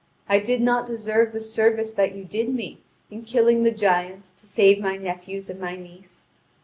I did not deserve the service that you did me in killing the giant to save my nephews and my niece.